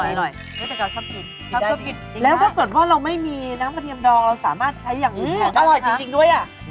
อร่อย